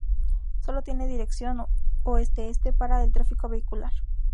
Sólo tiene dirección Oeste-Este para el tráfico vehicular.